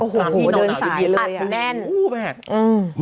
โอ้โฮเดือนสายเลยอัดแน่นโอ้โฮแม่โอ้โฮแม่อืม